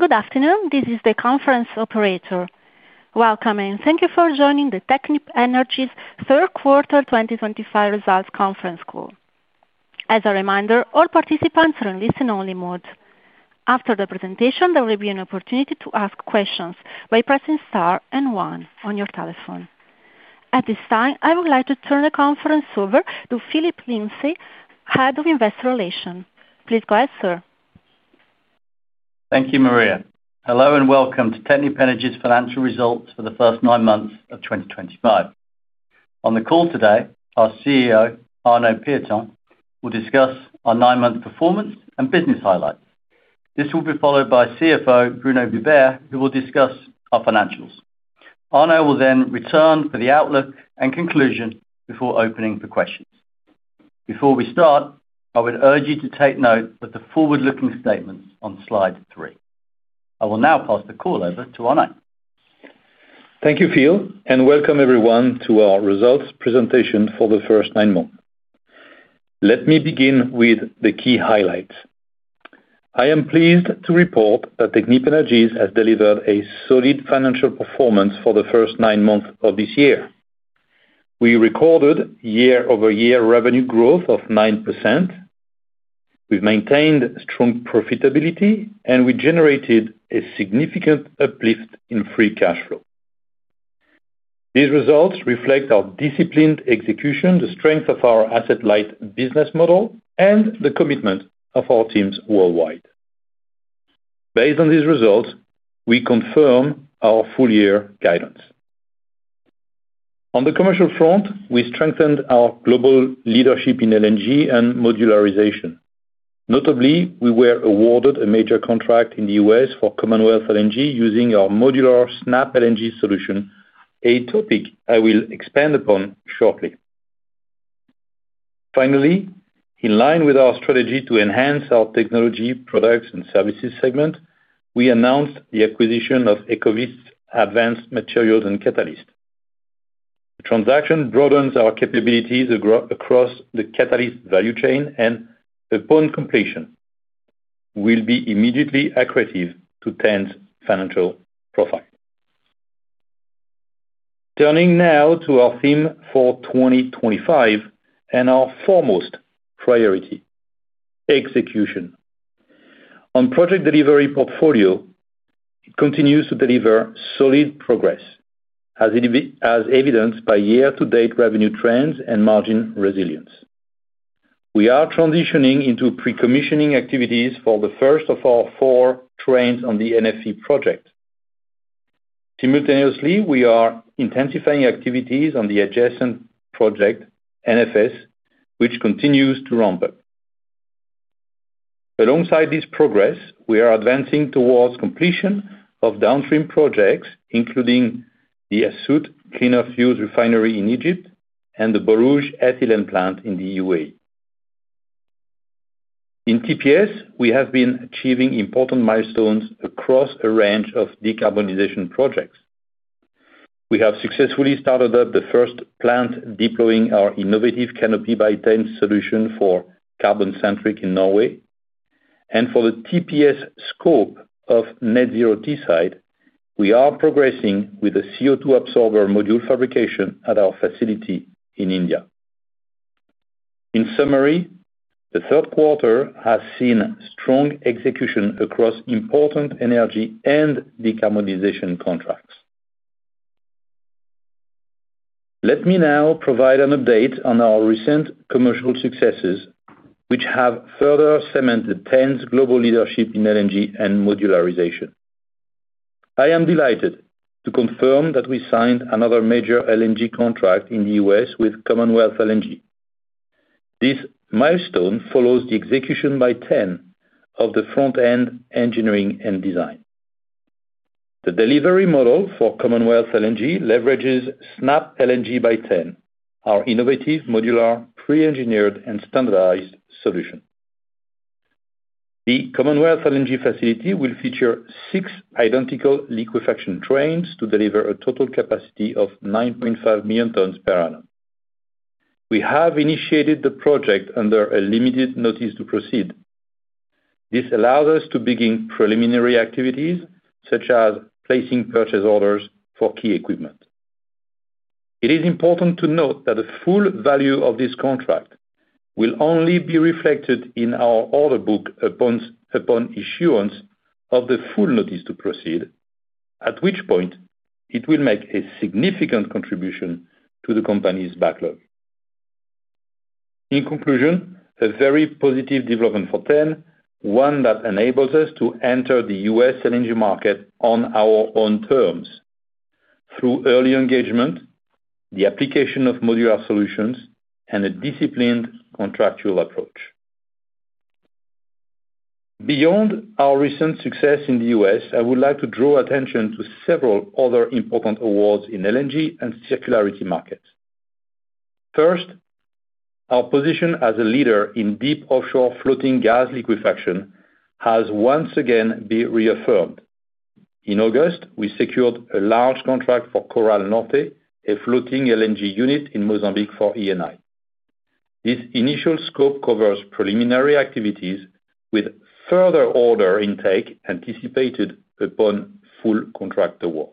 Good afternoon, this is the conference operator. Welcome and thank you for joining the Technip Energies third quarter 2025 results conference call. As a reminder, all participants are in listen-only mode. After the presentation, there will be an opportunity to ask questions by pressing star and one on your telephone. At this time, I would like to turn the conference over to Phillip Lindsay, Head of Investor Relations. Please go ahead, sir. Thank you, Maria. Hello and welcome to Technip Energies' financial results. For the first nine months of 2025. On the call today, our CEO Arnaud Pieton will discuss our nine month performance and business highlights. This will be followed by CFO Bruno Vibert. who will discuss our financials. Arnaud will then return for the outlook and conclusion before opening for questions. Before we start, I would urge you. To take note of the forward-looking statements on slide three. I will now pass the call over to Arnaud. Thank you, Phil, and welcome everyone to our results presentation for the first nine months. Let me begin with the key highlights. I am pleased to report that Technip Energies has delivered a solid financial performance for the first nine months of this year. We recorded year-over-year revenue growth of 9%. We've maintained strong profitability, and we generated a significant uplift in free cash flow. These results reflect our disciplined execution, the strength of our asset-light business model, and the commitment of our teams worldwide. Based on these results, we confirm our full-year guidance. On the commercial front, we strengthened our global leadership in LNG and modularization. Notably, we were awarded a major contract in the U.S. for Commonwealth LNG using our modular SnapLNG solution, a topic I will expand upon shortly. Finally, in line with our strategy to enhance our technology, products, and services segmentation, we announced the acquisition of EcoVyst's Advanced Materials & Catalysts. The transaction broadens our capabilities across the catalysts value chain and, upon completion, will be immediately accretive to T.EN's financial profile. Turning now to our theme for 2025 and our foremost priority: execution on project delivery portfolio. It continues to deliver solid progress as evidenced by year-to-date revenue trends and margin resilience. We are transitioning into pre-commissioning activities for the first of our four trains on the NFV project. Simultaneously, we are intensifying activities on the adjacent project NFS, which continues to ramp up. Alongside this progress, we are advancing towards completion of downstream projects, including the Assiut Clean Off Fuels refinery in Egypt and the Borouge ethylene plant in the UAE. In TPS, we have been achieving important milestones across a range of decarbonization projects. We have successfully started up the first plant deploying our innovative Canopy by T.EN solution for carbon capture in Norway, and for the TPS scope of Net Zero Teesside, we are progressing with a CO2 absorber module fabrication at our facility in India. In summary, the third quarter has seen strong execution across important energy and decarbonization contracts. Let me now provide an update on our recent commercial successes, which have further cemented T.EN's global leadership in LNG and modularization. I am delighted to confirm that we signed another major LNG contract in the U.S. with Commonwealth LNG. This milestone follows the execution by T.EN of the front end engineering and design. The delivery model for Commonwealth LNG leverages SnapLNG by T.EN, our innovative modular, pre-engineered, and standardized solution. The Commonwealth LNG facility will feature six identical liquefaction trains to deliver a total capacity of 9.5 million tonnes per annum. We have initiated the project under a limited notice to proceed, which allows us to begin preliminary activities such as placing purchase orders for key equipment. It is important to note that the full value of this contract will only be reflected in our order book upon issuance of the full notice to proceed, at which point it will make a significant contribution to the company's backlog. In conclusion, a very positive development for T.EN, one that enables us to enter the U.S. LNG market on our own terms through early engagement, the application of modular solutions, and a disciplined contractual approach. Beyond our recent success in the U.S., I would like to draw attention to several other important awards in LNG and circularity markets. First, our position as a leader in deep offshore floating gas liquefaction has once again been reaffirmed. In August, we secured a large contract for Coral Norte, a floating LNG unit in Mozambique for Eni. This initial scope covers preliminary activities with further order intake anticipated upon full contract award.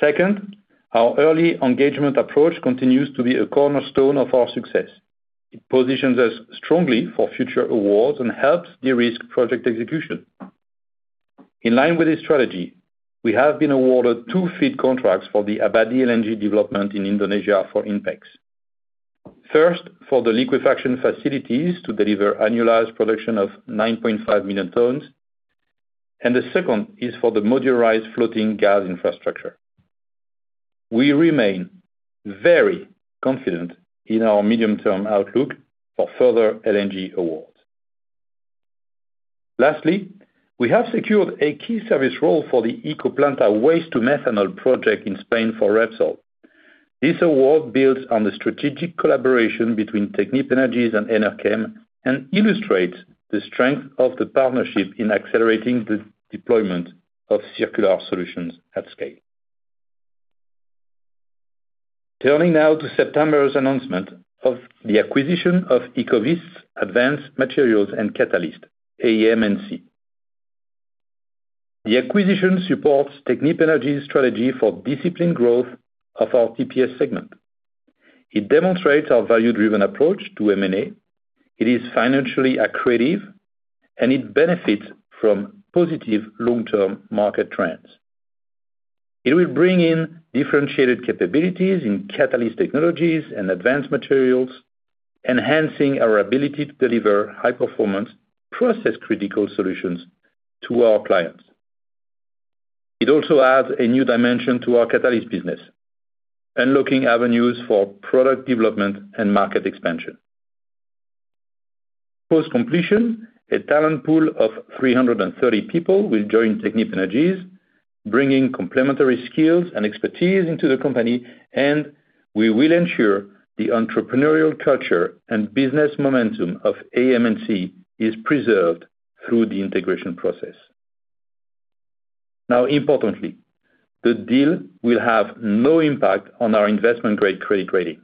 Second, our early engagement approach continues to be a cornerstone of our success. It positions us strongly for future awards and helps de-risk project execution. In line with this strategy, we have been awarded two FEED contracts for the Abadi LNG development in Indonesia for INPEX, first for the liquefaction facilities to deliver annualized production of 9.5 million tonnes, and the second is for the modularized floating gas infrastructure. We remain very confident in our medium-term outlook for further LNG awards. Lastly, we have secured a key service role for the Ecoplanta waste-to-methanol project in Spain for Repsol. This award builds on the strategic collaboration between Technip Energies and Enerkem and illustrates the strength of the partnership in accelerating the deployment of circular solutions at scale. Turning now to September's announcement of the acquisition of EcoVyst's Advanced Materials & Catalysts (AM&C). The acquisition supports Technip Energies' strategy for disciplined growth of our TPS segment. It demonstrates our value-driven approach to M&A. It is financially accretive and it benefits from positive long-term market trends. It will bring in differentiated capabilities in Catalyst Technologies and Advanced Materials, enhancing our ability to deliver high-performance process-critical solutions to our clients. It also adds a new dimension to our Catalyst business, unlocking avenues for product development and market expansion. Post completion, a talent pool of 330 people will join Technip Energies, bringing complementary skills and expertise into the company, and we will ensure the entrepreneurial culture and business momentum of AM&C is preserved through the integration process. Now, importantly, the deal will have no impact on our investment grade credit rating.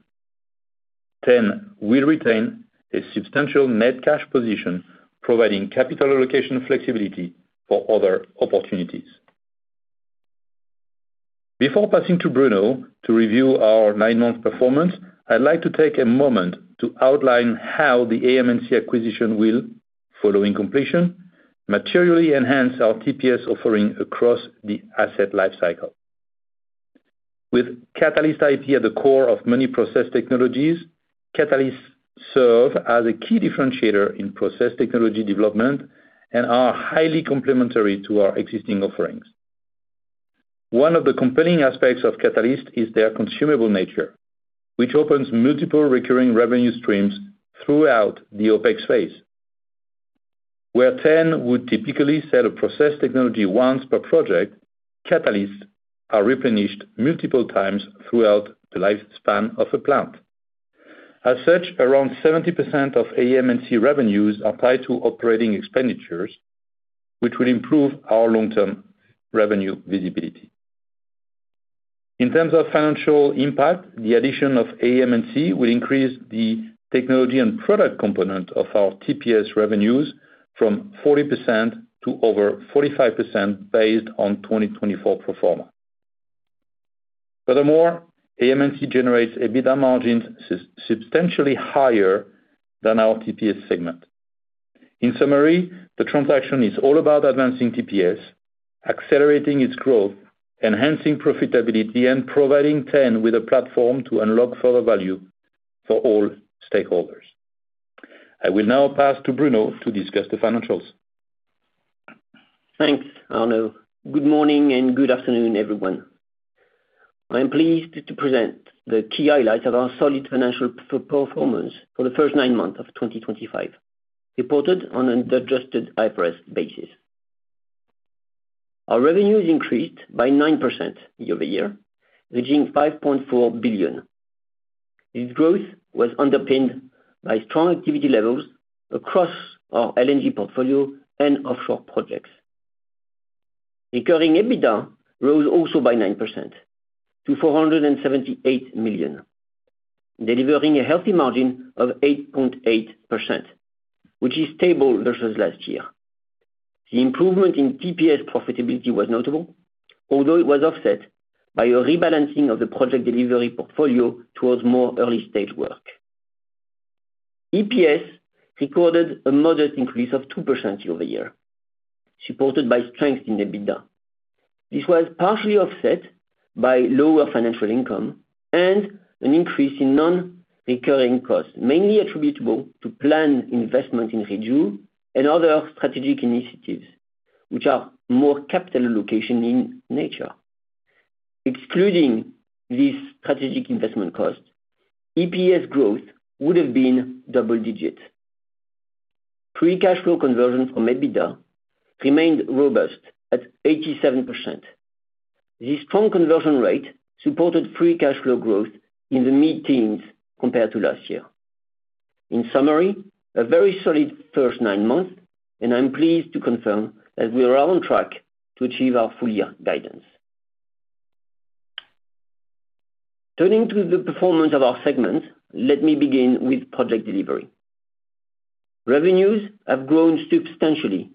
T.EN will retain a substantial net cash position, providing capital allocation flexibility for other opportunities. Before passing to Bruno to review our nine-month performance, I'd like to take a moment to outline how the AM&C acquisition will, following completion, materially enhance our TPS offering across the asset lifecycle. With Catalyst IP at the core of many process technologies, catalysts serve as a key differentiator in process technology development and are highly complementary to our existing offerings. One of the compelling aspects of catalysts is their consumable nature, which opens multiple recurring revenue streams throughout the OpEx phase where T.EN would typically sell a process technology once per project. Catalysts are replenished multiple times throughout the lifespan of a plant. As such, around 70% of AM&C revenues are tied to operating expenditures, which will improve our long-term revenue visibility. In terms of financial impact, the addition of AM&C will increase the technology and product component of our TPS revenues from 40% to over 45% based on 2024 pro forma. Furthermore, AM&C generates EBITDA margins substantially higher than our TPS segment. In summary, the transaction is all about advancing TPS, accelerating its growth, enhancing profitability, and providing T.EN with a platform to unlock further value for all stakeholders. I will now pass to Bruno to discuss the financials. Thanks Arnaud. Good morning and good afternoon everyone. I am pleased to present the key highlights of our solid financial performance for the first nine months of 2025. Reported on an adjusted high press basis, our revenue is increased by 9% year-over-year reaching 5.4 billion. This growth was underpinned by strong activity levels across our LNG portfolio and offshore projects. Recurring EBITDA rose also by 9% to 478 million, delivering a healthy margin of 8.8% which is stable versus last year. The improvement in TPS profitability was notable, although it was offset by a rebalancing of the Project Delivery portfolio towards more early stage work. EPS recorded a modest increase of 2% year-over-year, supported by strength in EBITDA. This was partially offset by lower financial income and an increase in non-recurring costs mainly attributable to planned investment in Reju and other strategic initiatives which are more capital allocation in nature. Excluding these strategic investment costs, EPS growth would have been double digit. Free cash flow conversion from EBITDA remained robust at 87%. This strong conversion rate supported free cash flow growth in the mid-teens compared to last year. In summary, a very solid first nine months and I'm pleased to confirm that we are on track to achieve our full year guidance. Turning to the performance of our segments, let me begin with Project Delivery. Revenues have grown substantially,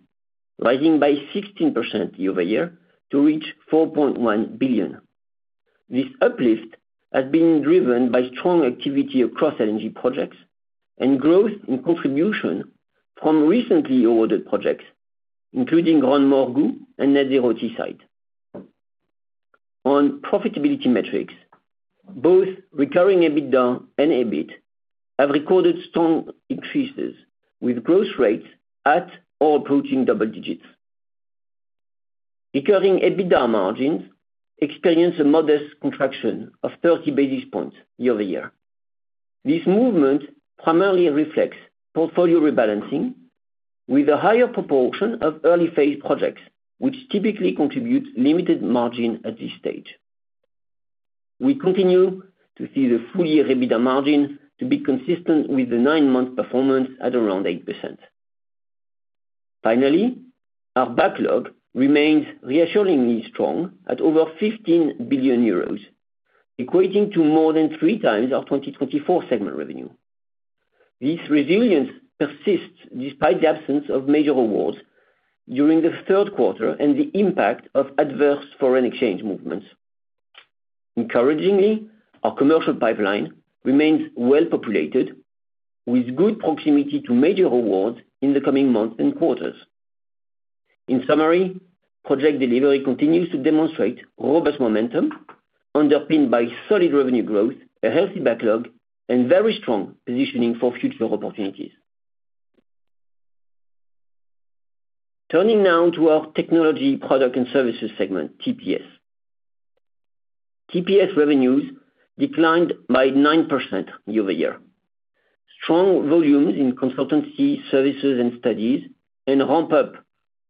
rising by 16% year-over-year to reach 4.1 billion. This uplift has been driven by strong activity across LNG projects and growth in contribution from recently awarded projects including Grand Morgu and Net Zero Teesside. On profitability metrics, both recurring EBITDA and EBIT have recorded strong increases with growth rates at or approaching double digits. Recurring EBITDA margins experienced a modest contraction of 30 basis points year-over-year. This movement primarily reflects portfolio rebalancing with a higher proportion of early phase projects which typically contribute limited margin at this stage. We continue to see the full year EBITDA margin to be consistent with the nine month performance at around 8%. Finally, our backlog remains reassuringly strong at over 15 billion euros, equating to more than 3x our 2024 segment revenue. This resilience persists despite the absence of major awards during the third quarter and the impact of adverse foreign exchange movements. Encouragingly, our commercial pipeline remains well populated with good proximity to major awards in the coming months and quarters. In summary, Project Delivery continues to demonstrate robust momentum underpinned by solid revenue growth, a healthy backlog, and very strong positioning for future opportunities. Turning now to our Technology, Products and Services segment, TPS, TPS revenues declined by 9% year-over-year. Strong volumes in consultancy services and studies and ramp up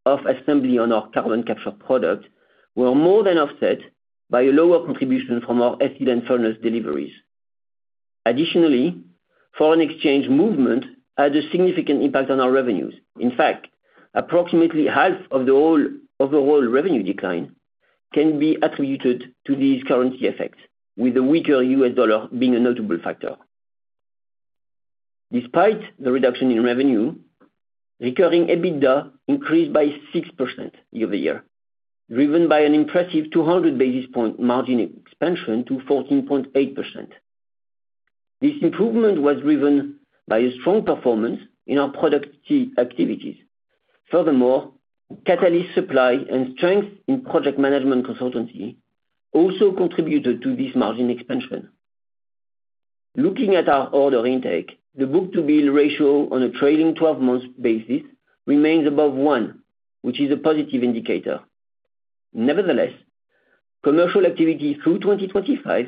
of assembly on our carbon capture product were more than offset by a lower contribution from our ethylene furnace deliveries. Additionally, foreign exchange movement had a significant impact on our revenues. In fact, approximately half of the overall revenue decline can be attributed to these currency effects, with the weaker U.S. dollar being a notable factor. Despite the reduction in revenue, recurring EBITDA increased by 6% year-over-year, driven by an impressive 200 basis point margin expansion to 14.8%. This improvement was driven by a strong performance in our product activities. Furthermore, catalyst supply and strength in project management consultancy also contributed to this margin expansion. Looking at our order intake, the book-to-bill ratio on a trailing twelve month basis remains above 1, which is a positive indicator. Nevertheless, commercial activity through 2025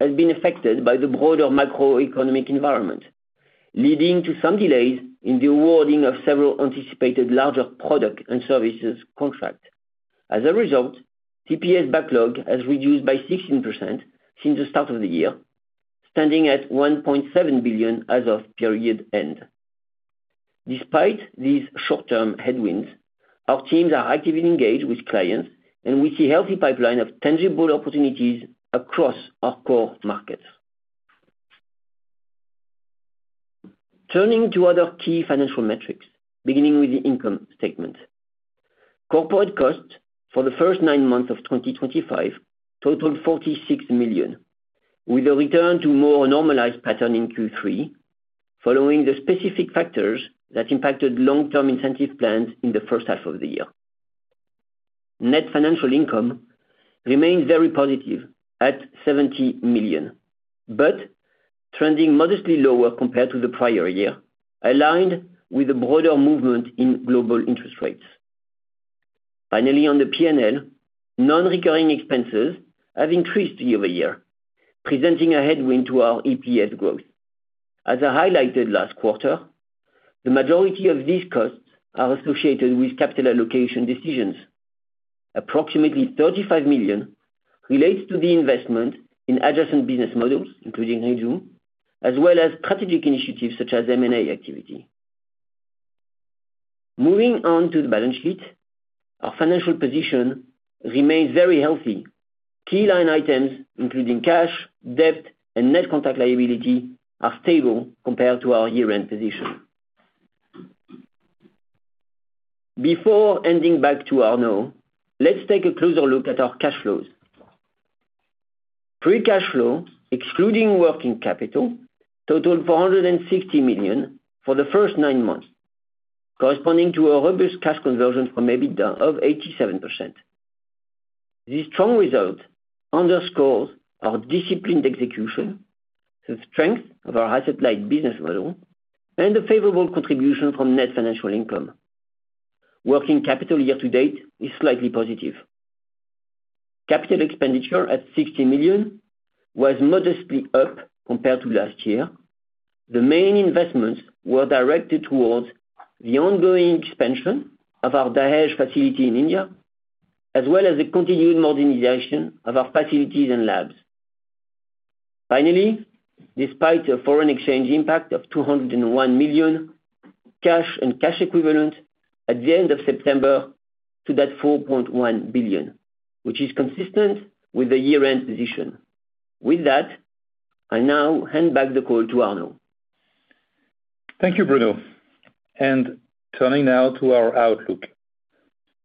has been affected by the broader macroeconomic environment, leading to some delays in the awarding of several anticipated larger products and services contracts. As a result, TPS backlog has reduced by 16% since the start of the year, standing at 1.7 billion as of period end. Despite these short term headwinds, our teams are actively engaged with clients and we see a healthy pipeline of tangible opportunities across our core markets. Turning to other key financial metrics, beginning with the income statement, corporate costs for the first nine months of 2025 totaled 46 million with a return to a more normalized pattern in Q3. Following the specific factors that impacted long term incentive plans in the first half of the year, net financial income remains very positive at 70 million but trending modestly lower compared to the prior year, aligned with a broader movement in global interest rates. Finally, on the P&L, non-recurring expenses have increased year-over-year, presenting a headwind to our EPS growth. As I highlighted last quarter, the majority of these costs are associated with capital allocation decisions. Approximately 35 million relates to the investment in adjacent business models including Reju, as well as strategic initiatives such as M&A activity. Moving on to the balance sheet, our financial position remains very healthy. Key line items including cash, debt, and net contract liability are stable compared to our year-end position. Before handing back to Arnaud, let's take a closer look at our cash flows. Free cash flow excluding working capital totaled 460 million for the first nine months, corresponding to a robust cash conversion from EBITDA of 87%. This strong result underscores our disciplined execution, the strength of our asset-light business model, and a favorable contribution from net financial income. Working capital year to date is slightly positive. Capital expenditure at 60 million was modestly up compared to last year. The main investments were directed towards the ongoing expansion of our Dahej facility in India as well as the continued modernization of our facilities and labs. Finally, despite a foreign exchange impact of 201 million, cash and cash equivalents at the end of September stood at 4.1 billion, which is consistent with the year-end position. With that, I now hand back the call to Arnaud. Thank you, Bruno. Turning now to our outlook.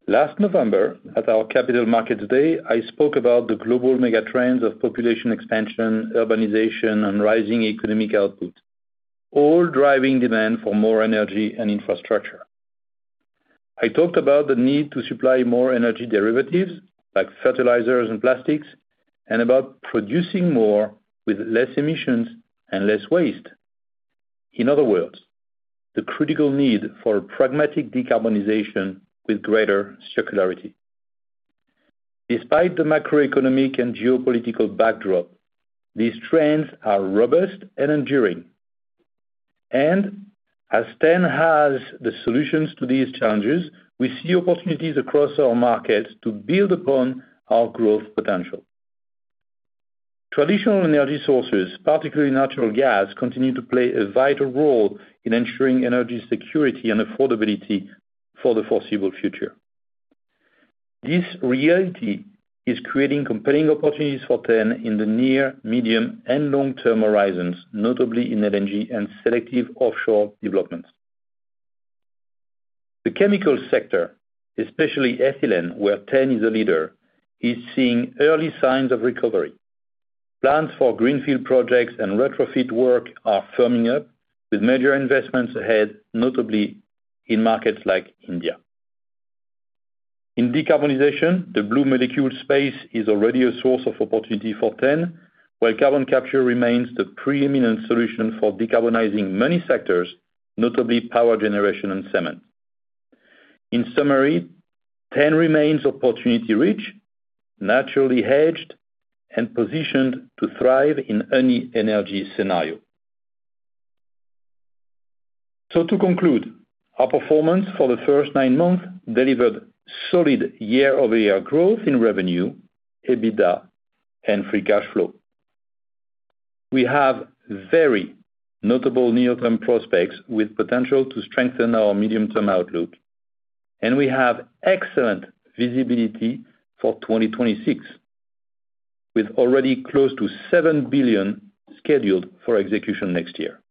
Last November at our Capital Markets Day, I spoke about the global megatrends of population expansion, urbanization, and rising economic output, all driving demand for more energy and infrastructure. I talked about the need to supply more energy derivatives like fertilizers and plastics, and about producing more with less emissions and less waste. In other words, the critical need for pragmatic decarbonization with greater circularity. Despite the macroeconomic and geopolitical backdrop, these trends are robust and enduring. As T.EN has the solutions to these challenges, we see opportunities across our markets to build upon our growth potential. Traditional energy sources, particularly natural gas, continue to play a vital role in ensuring energy security and affordability for the foreseeable future. This reality is creating compelling opportunities for T.EN in the near, medium, and long term horizons, notably in LNG and selective offshore developments. The chemical sector, especially ethylene, where T.EN is a leader, is seeing early signs of recovery. Plans for greenfield projects and retrofit work are firming up with major investments ahead, notably in markets like India. In decarbonization, the blue molecule space is already a source of opportunity for T.EN, while carbon capture remains the preeminent solution for decarbonizing many sectors, notably power generation and cement. In summary, T.EN remains opportunity rich, naturally hedged, and positioned to thrive in any energy scenario. To conclude, our performance for the first nine months delivered solid year-over-year growth in revenue, EBITDA, and free cash flow. We have very notable near-term prospects with potential to strengthen our medium-term outlook. We have excellent visibility for 2026 with already close to 7 billion scheduled for execution next year.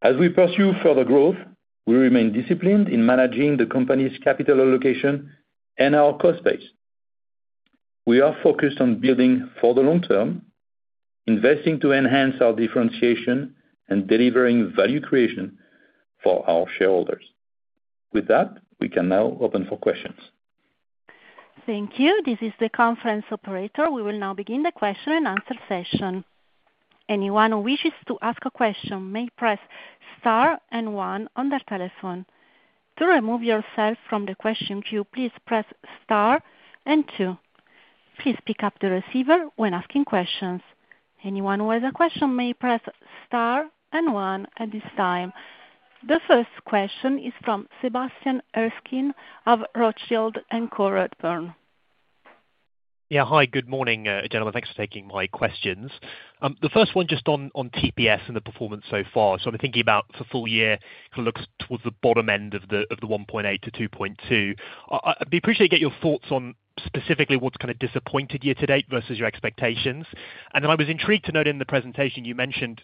As we pursue further growth, we remain disciplined in managing the company's capital allocation and our cost base. We are focused on building for the long term, investing to enhance our differentiation, and delivering value creation for our shareholders. With that, we can now open for questions. Thank you. This is the conference operator. We will now begin the question and answer session. Anyone who wishes to ask a question may press star and one on the telephone. To remove yourself from the question queue, please press star and two. Please pick up the receiver when asking questions. Anyone who has a question may press star and one at this time. The first question is from Sebastian Erskine of Rothschild and Co Redburn. Hi, good morning gentlemen. Thanks for taking my questions. The first one just on TPS. The performance so far has been. Thinking about for full year looks towards the bottom end of the 1.8 billion to 2.2 billion point. I'd be appreciating to get your thoughts on specifically what's kind of disappointed year to date versus your expectations. I was intrigued to note in the presentation you mentioned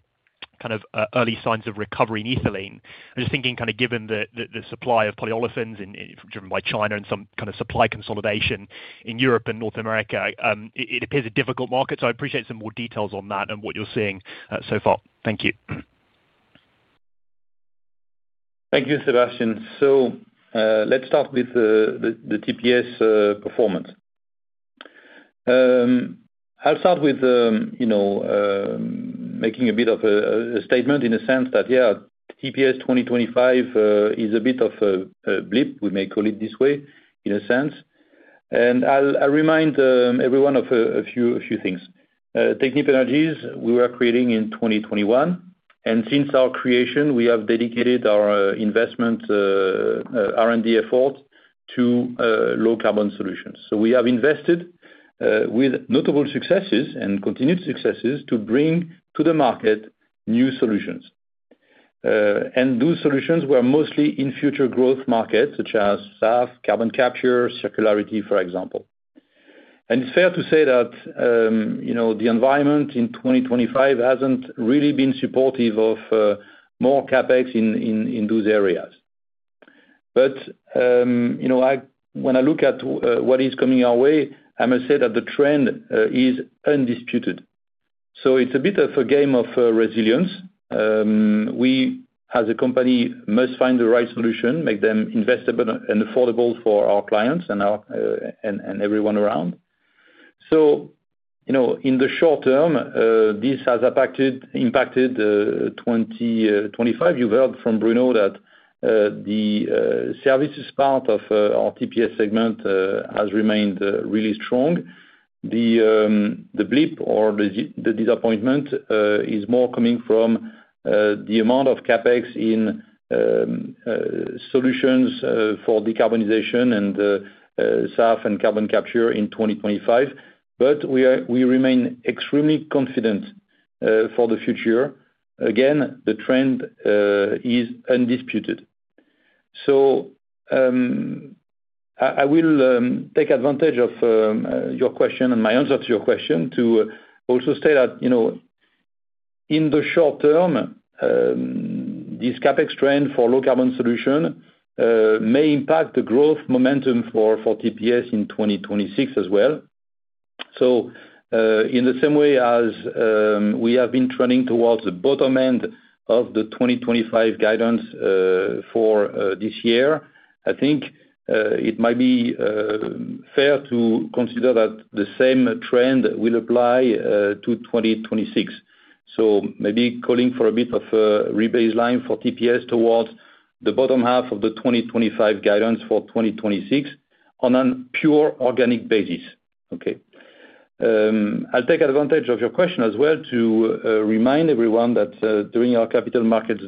kind of early signs of recovery in ethylene. I was thinking kind of given the supply of polyolefins driven by China and some kind of supply consolidation in Europe. North America, it appears a difficult market. I appreciate some more details on that and what you're seeing so far. Thank you. Thank you, Sebastian. Let's start with the TPS performance. I'll start with making a bit of a statement in a sense that, yeah, TPS 2025 is a bit of a blip. We may call it this way in a sense. I'll remind everyone of a few things. Technip Energies, we were created in 2021, and since our creation we have dedicated investment and R&D effort to low-carbon solutions. We have invested with notable successes and continued successes to bring to the market new solutions. Those solutions were mostly in future growth markets such as SAF, carbon capture, circularity, for example. It's fair to say that the environment in 2025 hasn't really been supportive of more CapEx in those areas. When I look at what is coming our way, I must say that the trend is undisputed. It's a bit of a game of resilience. We as a company must find the right solution, make them investable and affordable for our clients and everyone around. In the short term this has impacted 2025. You've heard from Bruno, the services part of our TPS segment has remained really strong. The blip or the disappointment is more coming from the amount of CapEx in solutions for decarbonization and SAF and carbon capture in 2025. We remain extremely confident for the future. Again, the trend is undisputed. So. I will take advantage of your question and my answer to your question to also state that in the short term this CapEx trend for low carbon solution may impact the growth momentum for TPS in 2026 as well. In the same way as we have been trending towards the bottom end of the 2025 guidance for this year, I think it might be fair to consider that the same trend will apply to 2026. Maybe calling for a bit of re-baseline for TPS towards the bottom half of the 2025 guidance for 2026 on a pure organic basis. I'll take advantage of your question as well to remind everyone that during our capital market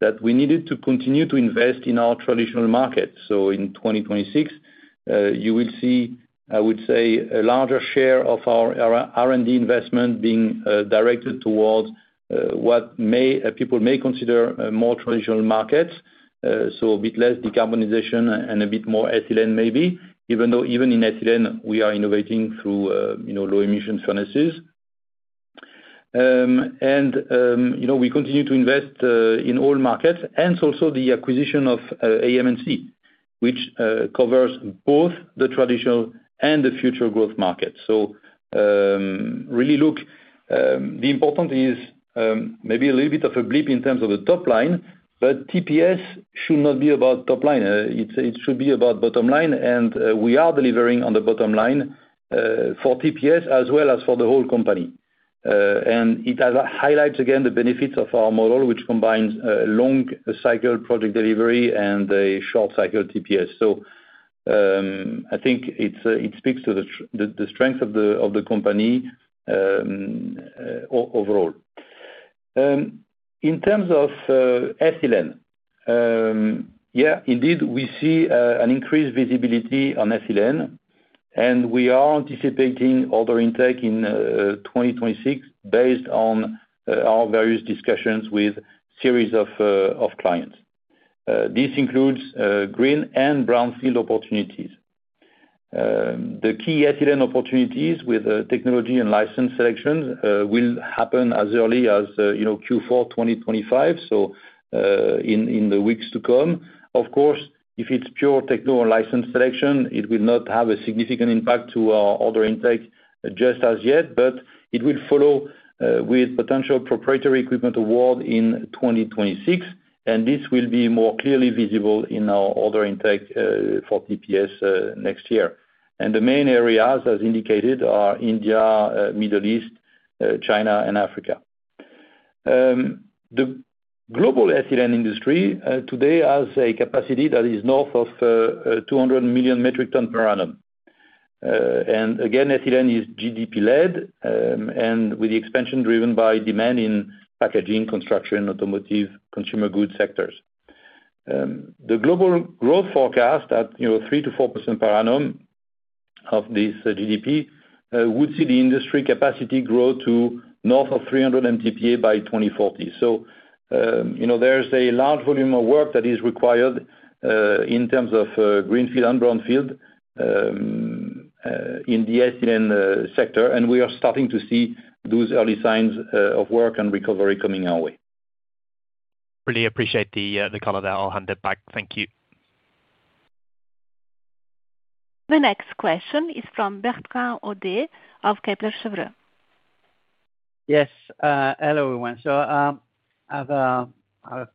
that we needed to continue to invest in our traditional market. In 2026 you will see, I would say, a larger share of our R&D investment being directed towards what people may consider more traditional markets. A bit less decarbonization and a bit more ethylene maybe. Even though even in ethylene we are innovating through low-emission ethylene furnaces and we continue to invest in all markets. Hence also the acquisition of AM&C, which covers both the traditional and the future growth market. The important is maybe a little bit of a blip in terms of the top line. TPS should not be about top. Line, it should be about bottom line. We are delivering on the bottom line fo`r TPS as well as for the whole company. It highlights again the benefits of our model, which combines long cycle project delivery and a short cycle TPS. I think it speaks to the strength of the company overall in terms of ethylene. Yeah, indeed we see an increased visibility on ethylene, and we are anticipating order intake in 2026 based on our various discussions with a series of clients. This includes green and brownfield opportunities. The key ethylene opportunities with technology and license selections will happen as early as Q4 2025, in the weeks to come. Of course, if it's pure techno license selection, it will not have a significant impact to our order intake just yet, but it will follow with potential proprietary equipment award in 2026. This will be more clearly visible in our order intake for TPS next year. The main areas, as indicated, are India, Middle East, China, and Africa. The global ethylene industry today has a capacity that is north of 200 million metric tonnes per annum. Ethylene is GDP led, and with the expansion driven by demand in packaging, construction, automotive, and consumer goods sectors, the global growth forecast at 3%-4% per annum of this GDP would see the industry capacity grow to north of 300 million metric tonnes per annum by 2040. There is a large volume of work that is required in terms of greenfield and brownfield in the ethylene sector. We are starting to see those early signs of work and recovery coming our way. Really appreciate the color there. I'll hand it back. Thank you. The next question is from Bertrand Hodee of Kepler Cheuvreux. Yes, hello everyone. I have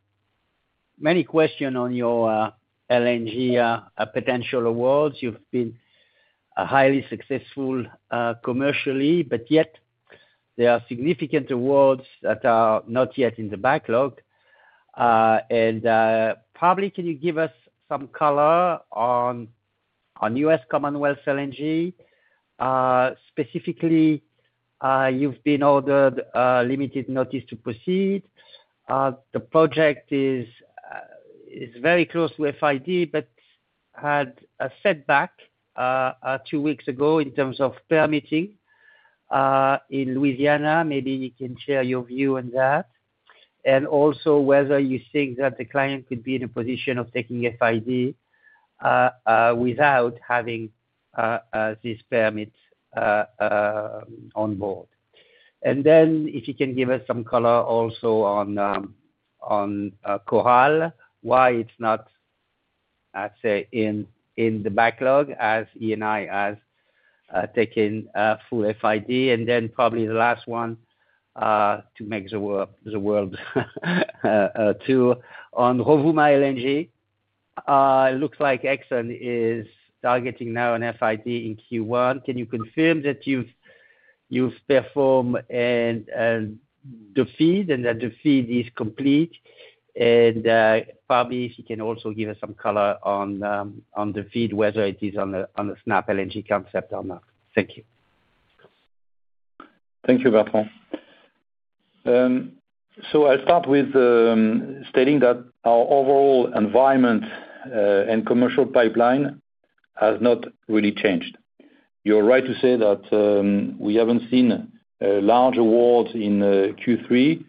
many questions on your LNG potential awards. You've been highly successful commercially, yet there are significant awards that are not yet in the backlog. Can you give us some color on U.S. Commonwealth LNG? Specifically, you've been awarded limited notice to proceed. The project is very close to FID but had a setback two weeks ago in terms of permitting in Louisiana. Maybe you can share your view on that and also whether you think that the client could be in a position of taking FID without having this permit on board. If you can give us some color also on Coral, why it's not, I'd say, in the backlog as Eni has taken full FID. Probably the last one to make the world tour on Rovuma LNG. It looks like Exxon is targeting now an FID in Q1. Can you confirm that you've performed the FEED and that the FEED is complete, and probably if you can also give us some color on the FEED, whether it is on a SnapLNG concept or not. Thank you. Thank you, Bertrand. I'll start with stating that our overall environment and commercial pipeline has not really changed. You're right to say that we haven't seen large awards in Q3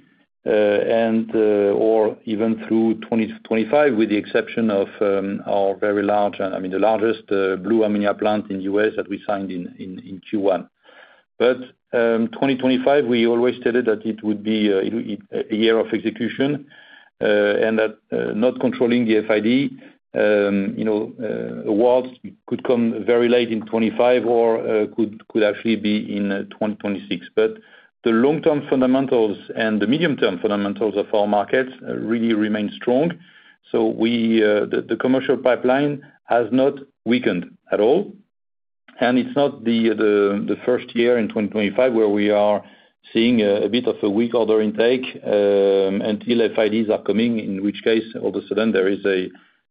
or even through 2025 with the exception of our very large, I mean the largest blue ammonia plant in the U.S. that we signed in Q1, but 2025, we always stated that it would be a year of execution and that not controlling the FID awards could come very late in 2025 or could actually be in 2026. The long term fundamentals and the medium term fundamentals of our markets really remain strong. The commercial pipeline has not weakened at all. It's not the first year in 2025 where we are seeing a bit of a weak order intake until FIDs are coming, in which case all of a sudden there is a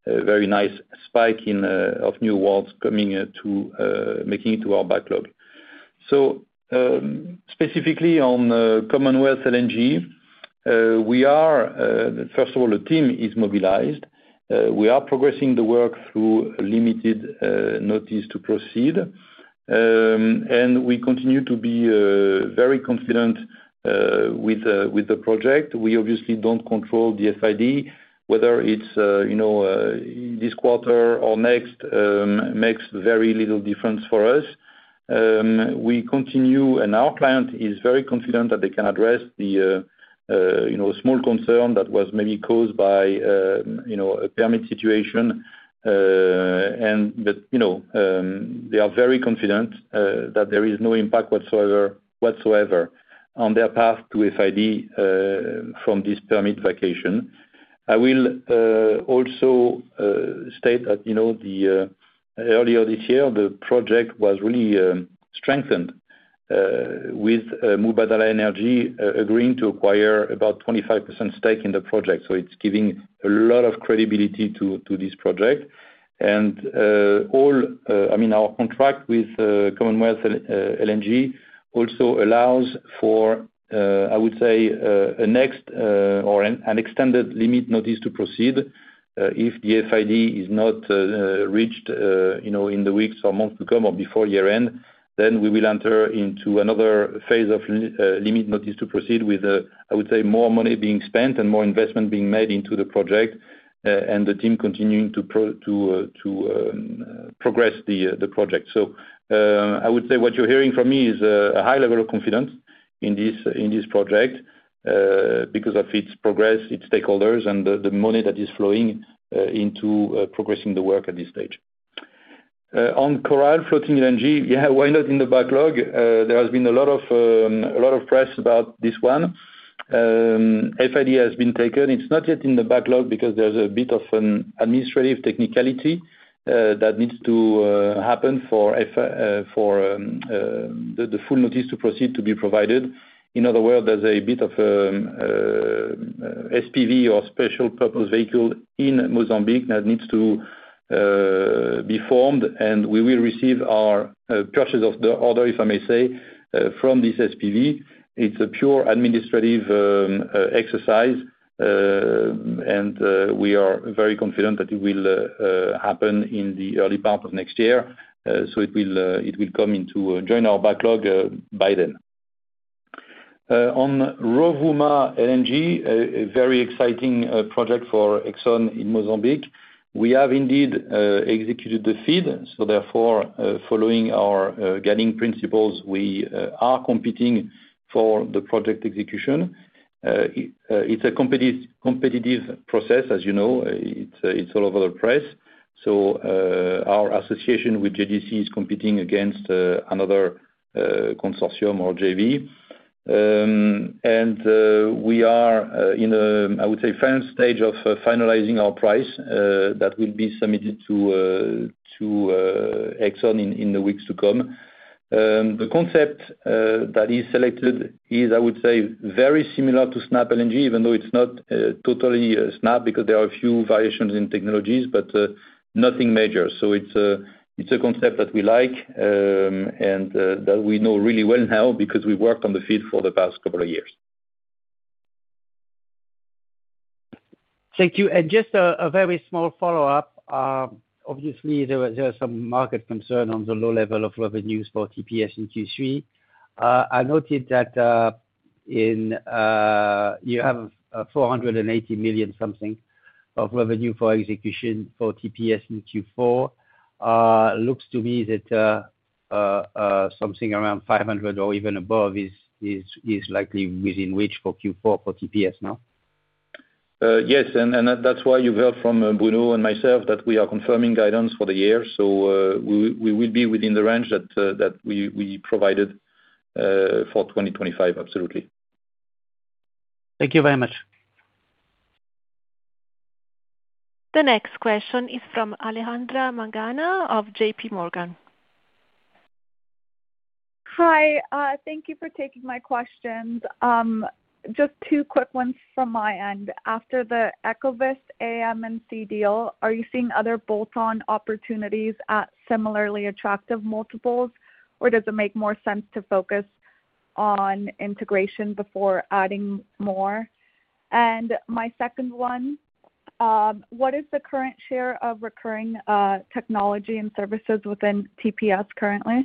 very nice spike of new awards coming to making it to our backlog. Specifically on Commonwealth LNG, first of all the team is mobilized, we are progressing the work through limited notice to proceed and we continue to be very confident with the project. We obviously don't control the FID, whether it's this quarter or next makes very little difference for us. We continue and our client is very confident that they can address a small concern that was maybe caused by a permit situation, but they are very confident that there is no impact whatsoever on their path to FID from this permit vacation. I will also state that earlier this year the project was really strengthened with Mubadala Energy agreeing to acquire about 25% stake in, so it's giving a lot of credibility to this project and all. Our contract with Commonwealth LNG also allows for, I would say, a next or an extended limited notice to proceed. If the FID is not reached in the weeks or months to come or before year end, we will enter into another phase of limited notice to proceed with, I would say, more money being spent and more investment being made into the project and the team continuing to progress the project. What you're hearing from me is a high level of confidence in this project because of its progress, its stakeholders, and the money that is flowing into progressing the work at this stage. On Coral floating LNG, why not in the backlog? There has been a lot of press about this. One FID has been taken, it's not yet in the backlog because there's a bit of an administrative technicality that needs to happen for the full notice to proceed to be provided. In other words, there's a bit of SPV or special purpose vehicle in Mozambique that needs to be formed, and we will receive our purchase of the order, if I may say, from this SPV. It's a pure administrative exercise, and we are very confident that it will happen in the early part of next year. It will come into join our backlog by then. On Rovuma LNG, a very exciting project for Exxon in Mozambique, we have indeed executed the FEED. Therefore, following our guiding principles, we are competing for the project execution. It's a competitive process, as you know, it's all over the place. Our association with JDC is competing against another consortium or JV, and we are in, I would say, final stage of finalizing our price that will be submitted to Exxon in the weeks to come. The concept that is selected is, I would say, very similar to SnapLNG, even though it's not totally Snap, because there are a few variations in technologies, but nothing major. It's a concept that we like and that we know really well now because we worked on the FEED for the past couple of years. Thank you. Just a very small follow-up, obviously there are some market concerns on the low level of revenues for TPS in Q3. I noted that you have 480 million something of revenue for execution for TPS in Q4. It looks to me that something around 500 million or even above is likely within reach for Q4 for TPS now. Yes, that's why you've heard from Bruno and myself that we are confirming guidance for the year. We will be within the range that we provided for 2025. Absolutely. Thank you very much. The next question is from Alejandra Magana of JPMorgan. Hi, thank you for taking my questions. Just two quick ones from my end. After the EcoVyst AM&C deal, are you seeing other bolt-on opportunities at similarly attractive multiples, or does it make more sense to focus on integration before adding more? My second one, what is the current share of recurring technology and services within TPS currently?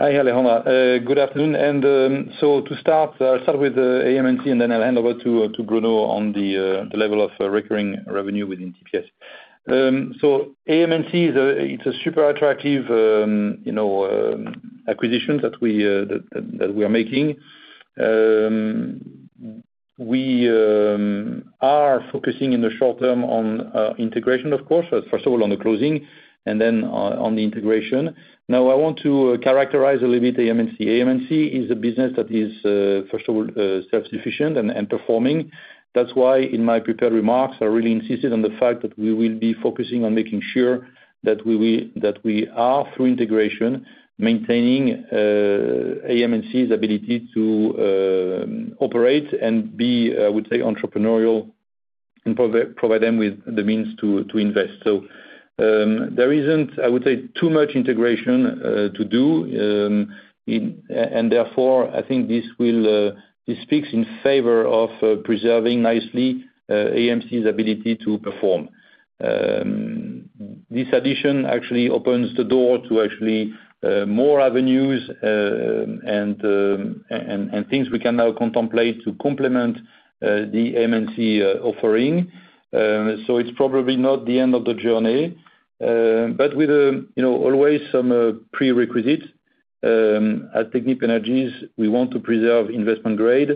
Hi Alejandra. Good afternoon. To start, I'll start with AM&C and then I'll hand over to Bruno on the level of recurring revenue within TPS. So, AM&C is a super attractive acquisition that we are making. We are focusing in the short term on integration, of course, first of all on the closing and then on the integration. Now, I want to characterize a little bit AM&C. AM&C is a business that is, first of all, self-sufficient and performing. That's why in my prepared remarks I really insisted on the fact that we will be focusing on making sure that we are, through integration, maintaining AM&C's ability to operate and be, I would say, entrepreneurial and provide them with the means to invest. There isn't, I would say, too much integration to do and therefore I think this speaks in favor of preserving nicely AM&C's ability to perform. This addition actually opens the door to more avenues and things we can now contemplate to complement the AM&C offering. It's probably not the end of the journey. With always some prerequisites at Technip Energies, we want to preserve investment grade.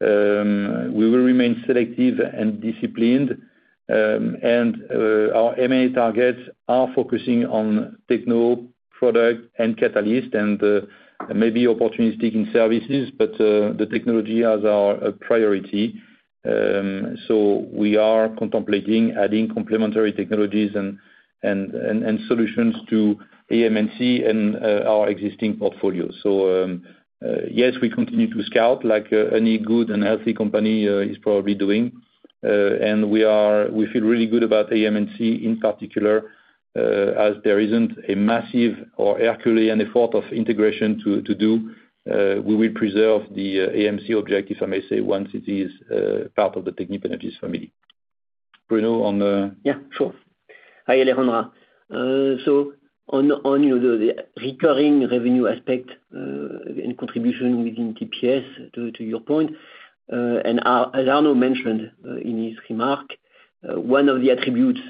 We will remain selective and disciplined and our M&A targets are focusing on techno product and catalyst and maybe opportunistic in services. The technology has our priority. We are contemplating adding complementary technologies and solutions to AM&C and our existing portfolio. Yes, we continue to scout like any good and healthy company is probably doing. We feel really good about AM&C in particular as there isn't a massive or any thought of integration to do. We will preserve the AM&C object, if I may say, once it is part of the Technip Energies family. Bruno on the yeah, sure. Hi Alejandra. On the recurring revenue aspect and contribution within TPS, to your point and as Arnaud mentioned in his remark, one of the attributes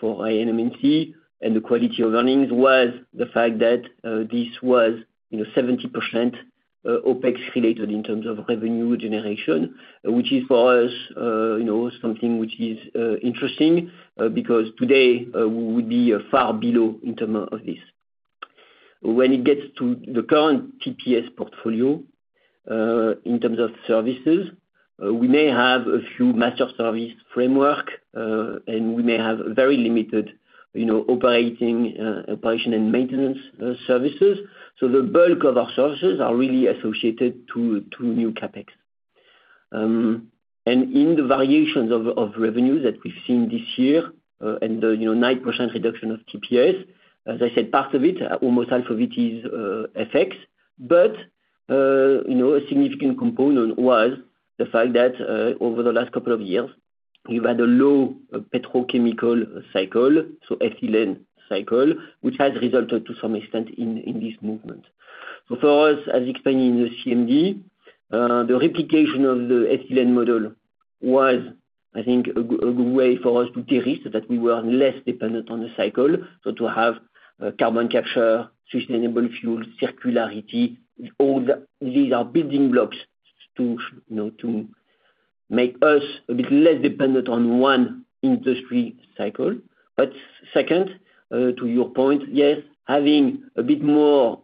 for AM&C and the quality of earnings was the fact that this was 70% OpEx related in terms of revenue generation, which is for us something which is interesting because today we would be far below in terms of this when it gets to the current TPS portfolio in terms of services. We may have a few master service framework and we may have very limited operation and maintenance services. The bulk of our services are really associated to new CapEx and in the variations of revenues that we've seen this year. The 9% reduction of TPS, as I said, part of it, almost half of it is FX. A significant component was the fact that over the last couple of years we've had a low petrochemical cycle, so ethylene cycle, which has resulted to some extent in this movement. For us, as explained in the CMD, the replication of the ethylene model was, I think, a good way for us that we were less dependent on the cycle. To have carbon capture, sustainable fuel, circularity, all these are building blocks to make us a bit less dependent on one industry cycle. Second, to your point, yes, having a bit more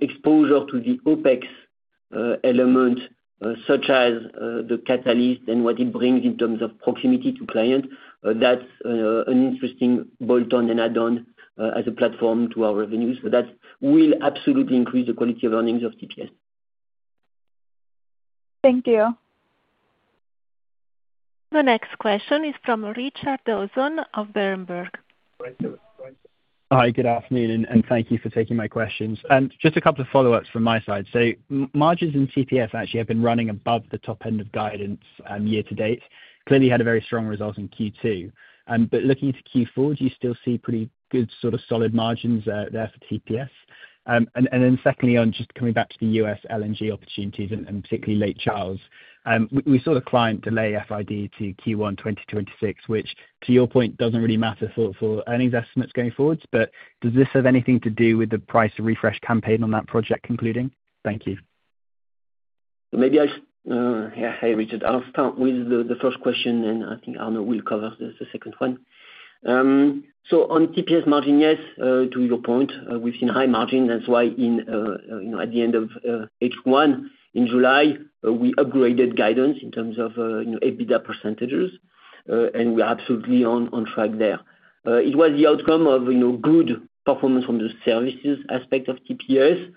exposure to the OpEx element, such as the catalyst and what it brings in terms of proximity to clients, that's an interesting bolt-on and add-on as a platform to our revenues. That will absolutely increase the quality of earnings of TPS. Thank you. The next question is from Richard Dawson of Berenberg. Hi, good afternoon, and thank you for taking my questions. have just a couple of follow ups from my side. Margins and TPF actually have been. Running above the top end of guidance year to date. Clearly had a very strong result in Q2, but looking into Q4, do you still see pretty good sort of solid margins there for TPS? Secondly, on just coming back to the U.S. LNG opportunities, and particularly Lake Charles, we saw the client delay FID to Q1 2026, which to your. Point, doesn't really matter for earnings estimates going forward. Does this have anything to do? With the price refresh campaign on that project? Thank you. Maybe I. Richard, I'll start with the first question and I think Arnaud will cover the second one. On TPS margin, yes, to your point, we've seen high margin. That's why at the end of H1 in July we upgraded guidance in terms of EBITDA percentages and we're absolutely on track there. It was the outcome of good performance from the services aspect of TPS.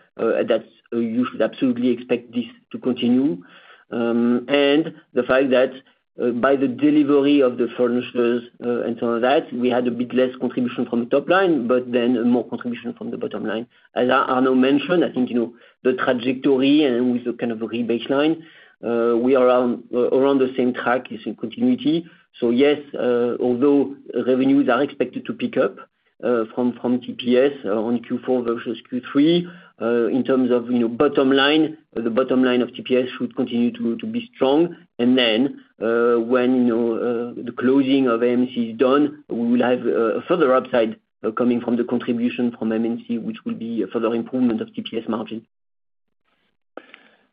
You should absolutely expect this to continue and the fact that by the delivery of the furnaces and all that, we had a bit less contribution from the top line, but then more contribution from the bottom line, as Arnaud mentioned. I think the trajectory and with the kind of re-baseline we are on the same track, it's in continuity. Yes, although revenues are expected to pick up from TPS in Q4 versus Q3 in terms of bottom line, the bottom line of TPS should continue to be strong. When the closing of AM&C is done, we will have further upside coming from the contribution from AM&C, which will be further improvement of TPS margin.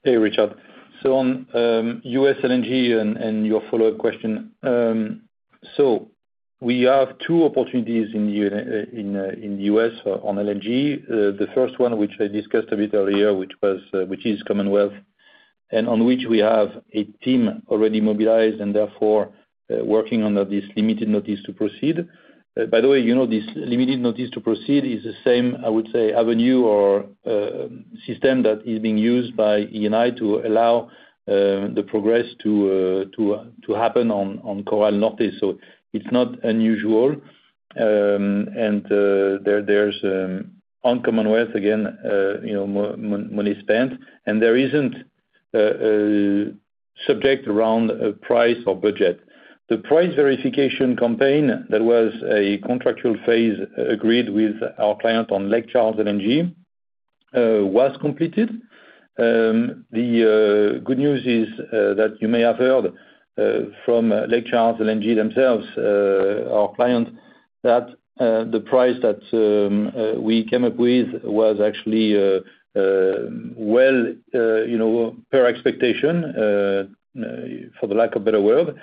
Hey Richard, on U.S. LNG and your follow-up question. We have two opportunities in the U.S. on LNG. The first one, which I discussed a bit earlier, is Commonwealth, and we have a team already mobilized and working under this limited notice to proceed. By the way, this limited notice to proceed is the same avenue or system that is being used by Eni to allow the progress to happen on Coral Norte. It's not unusual, and there's Commonwealth again, money spent, and there isn't subject around price or budget. The price verification campaign that was a contractual phase agreed with our client on Lake Charles LNG was completed. The good news is that you may have heard from Lake Charles LNG themselves, our client, that the price that we came up with was actually, per expectation for the lack of a better word.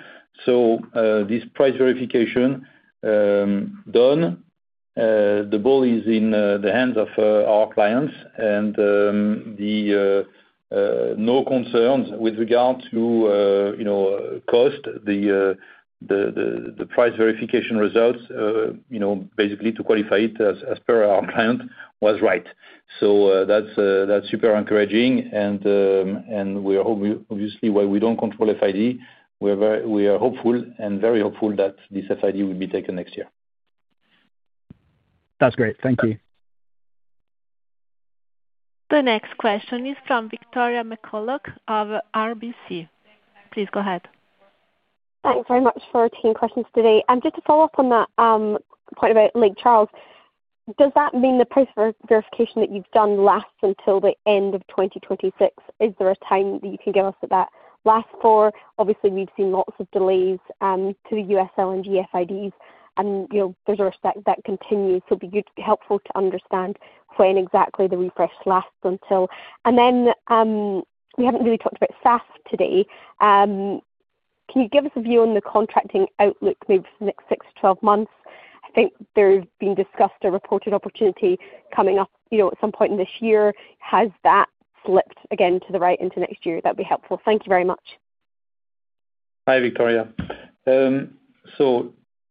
This price verification done, the ball is in the hands of our clients and no concerns with regard to cost. The price verification results, basically to qualify it as per our client, was right. That's super encouraging. Obviously, while we don't control FID, we are hopeful and very hopeful that this FID will be taken next year. That's great. Thank you. The next question is from Victoria McCulloch of RBC. Please go ahead. Thanks very much for taking questions today. Just to follow up on that point about Lake Charles, does that mean the price verification that you've done lasts until the end of 2026? Is there a time that you can give us that that lasts for? Obviously we've seen lots of delays to the U.S. LNG FIDs and resource that continues. It would be helpful to understand when exactly the ref lasts until. We haven't really talked about SAF today. Can you give us a view on the contracting outlook maybe for the next six to 12 months? I think there's been discussed a reported opportunity coming up at some point in this year. Has that slipped again to the right into next year? That would be helpful. Thank you very much. Hi Victoria.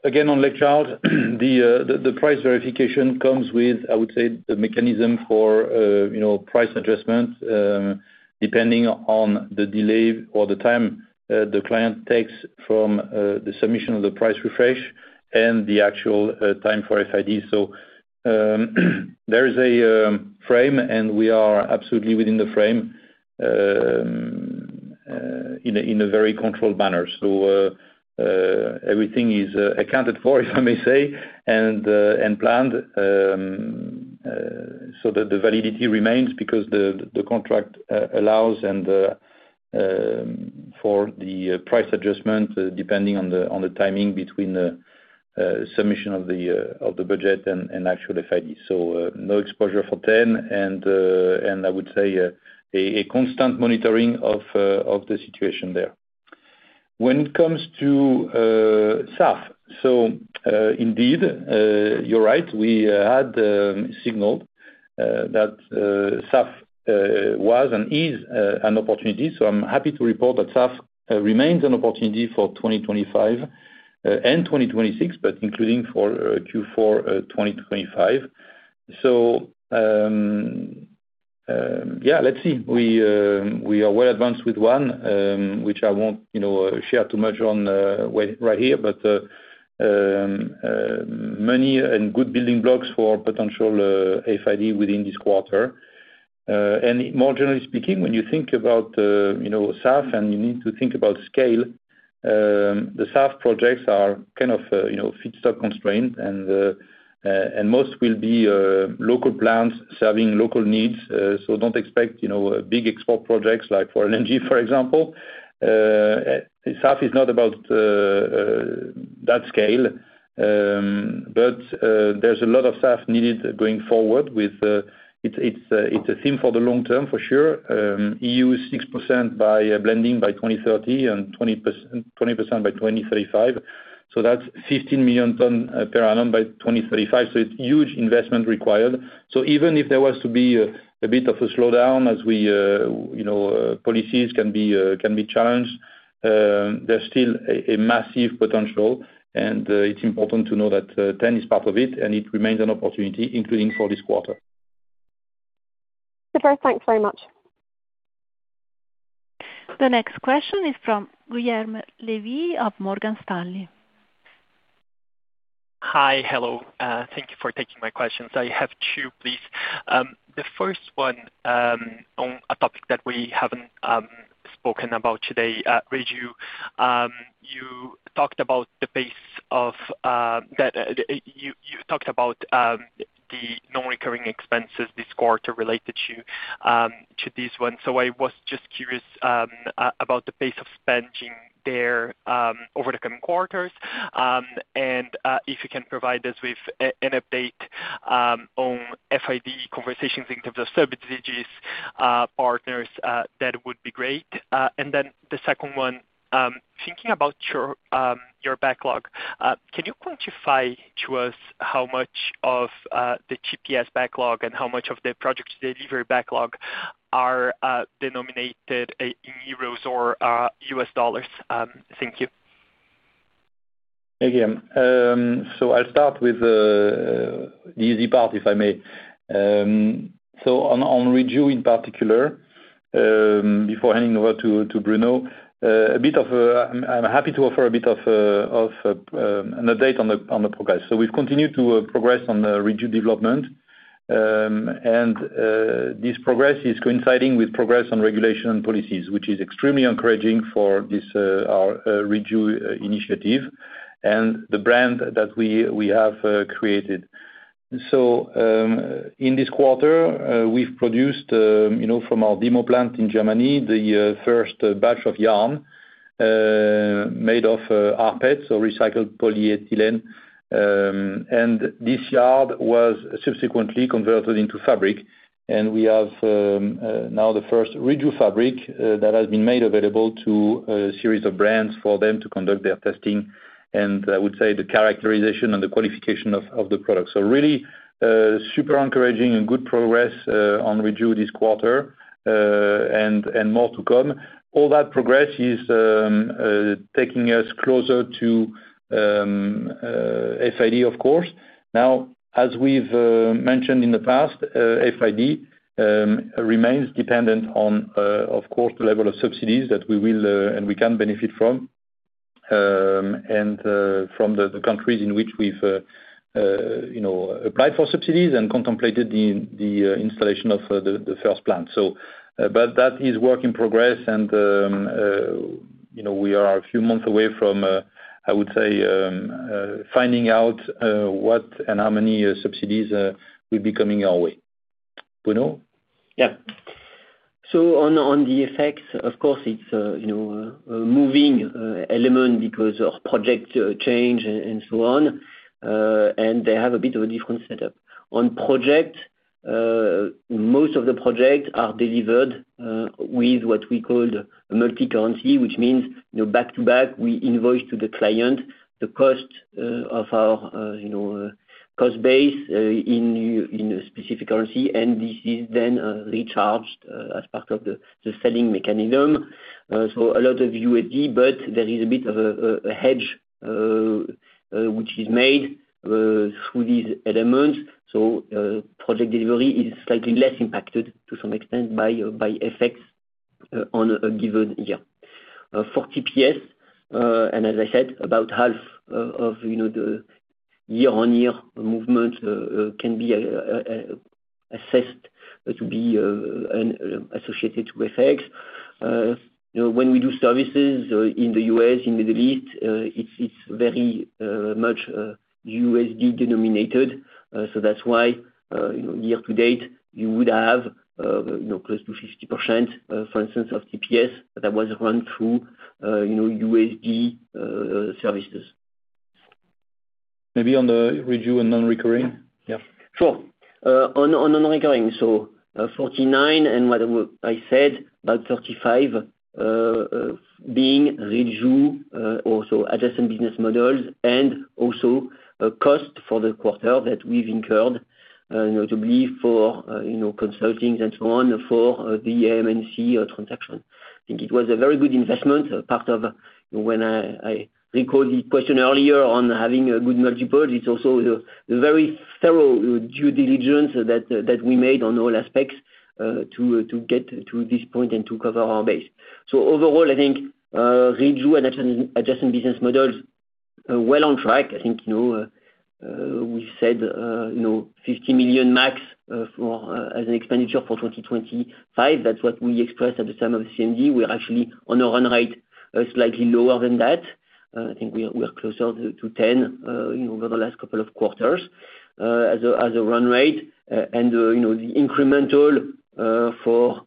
Again, on Lake Charles, the price verification comes with, I would say, the mechanism for price adjustment depending on the delay or the time the client takes from the submission of the price refresh and the actual time for FID. There is a frame and we are absolutely within the frame in a very controlled manner. Everything is accounted for, if I may say, and planned so that the validity remains because the contract allows for the price adjustment depending on the timing between the submission of the budget and actual FID. No exposure for T.EN and I would say a constant monitoring of the situation there. When it comes to SAF, indeed, you're right. We had signaled that SAF was and is an opportunity. I'm happy to report that SAF remains an opportunity for 2025 and 2026, including for Q4 2025. Let's see, we are well advanced with one, which I won't share too much on right here, but many and good building blocks for potential FID within. More generally speaking, when you think about SAF and you need to think about scale, the SAF projects are kind of feedstock constrained and most will be local plants serving local needs. Do not expect big export projects like for LNG, for example. SAF is not about that scale, but there's a lot of SAF needed going forward. It's a theme for the long term for sure. EU is 6% blending by 2030 and 20% by 2035. That's 15 million tonnes per annum by 2035. It's huge investment required. Even if there was to be a bit of a slowdown, as we know, policies can be challenged, there's still a massive potential and it's important to know that T.EN is part of it and it remains an opportunity, including for this quarter. Thanks very much. The next question is from Guilherme Levy of Morgan Stanley. Hi. Hello. Thank you for taking my questions. I have two, please. The first one, on a topic that we haven't spoken about today, you talked about the pace of. You talked about the non-recurring expenses this quarter related to these ones. I was just curious about the pace of spending there over the coming quarters and if you can provide us with an update on FID conversations in terms of subdigious partners, that would be great. The second one, thinking about your backlog, can you quantify to us how much of the TPS backlog and how much of the Project Delivery backlog are denominated in euros or U.S. dollars? Thank you again. I'll start with the easy part if I may. On Reju in particular, before handing over to Bruno, I'm happy to offer a bit of an update on the progress. We've continued to progress on Reju development and this progress is coinciding with progress on regulation and policies, which is extremely encouraging for this Reju initiative and the brand that we have created. In this quarter we've produced from our demo plant in Germany the first batch of yarn made of rPET, so recycled polyethylene, and this yarn was subsequently converted into fabric. We have now the first Reju fabric that has been made available to a series of brands for them to conduct their testing and, I would say, the characterization and the qualification of the product. Really super encouraging and good progress on Reju this quarter and more to come. All that progress is taking us closer to FID. Of course, as we've mentioned in the past, FID remains dependent on the level of subsidies that we will and we can benefit from and from the countries in which we've applied for subsidies and contemplated the installation of the first plant. That is work in progress and we are a few months away from, I would say, finding out what and how many subsidies will be coming our way. Bruno. Yeah. On the FX, of course it's a moving element because of project change and so on. They have a bit of a different setup on projects. Most of the projects are delivered with what we call multi-currency, which means back to back we invoice to the client the cost of our cost base in a specific currency, and this is then recharged as part of the selling mechanism. A lot of USD, but there is a bit of a hedge which is made through these elements. Project Delivery is slightly less impacted to some extent by FX on a given year for TPS, and as I said, about half of the year-on-year movement can be assessed to be associated with FX. When we do services in the U.S., in Middle East, it's very much USD denominated. That's why year to date you would have close to 50% for instance of TPS that was run through USD services. Maybe on the redo and non-recurring. Sure, on non-recurring. So 49 million and what I said about 35 million being redo, also adjacent business models and also cost for the quarter that we've incurred, notably for, you know, consulting and so on for the AM&C transaction. I think it was a very good investment. Part of when I recall the question earlier on having good multiples, it's also a very thorough due diligence that we made on all aspects to get to this point and to cover our base. Overall, I think redo and adjacent business models are well on track. I think we said 50 million max as an expenditure for 2020. That's what we expressed at the time of the CMD. We're actually on a run rate slightly lower than that. I think we're closer to 10 million over the last couple of quarters as a run rate. The incremental for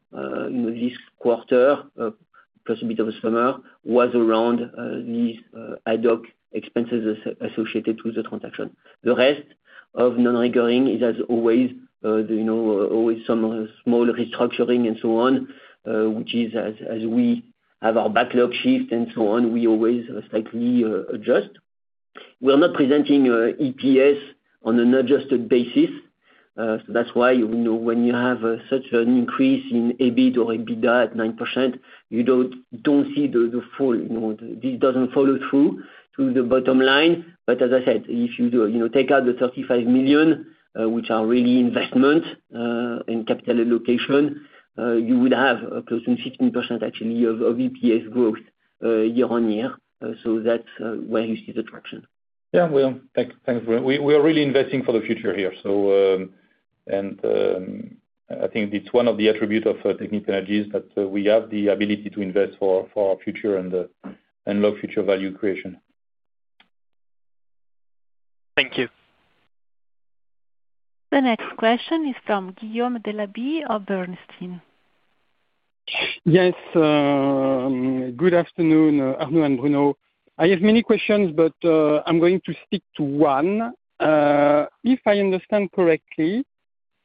this quarter plus a bit of a summer was around these ADNOC expenses associated with the transaction. The rest of non-recurring is, as always, you know, always some small restructuring and so on, which is as we have our backlog shift and so on, we always slightly adjust. We are not presenting EPS on an adjusted basis. That's why when you have such an increase in EBIT or EBITDA at 9%, you don't see the full. This doesn't follow through to the bottom line. As I said, if you take out the 35 million, which are really investment in capital allocation, you would have close to 15% actually of EPS growth year-on-year. That's where you see the traction. Yeah, thanks. We are really investing for the future here, and I think it's one of the attributes of Technip Energies is that we have the ability to invest for our future and low future value creation. Thank you. The next question is from Guillaume Delaby of Bernstein. Yes, good afternoon, Arnaud and Bruno. I have many questions, but I'm going to stick to one. If I understand correctly,